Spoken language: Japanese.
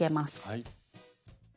はい。